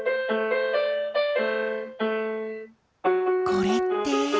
これって。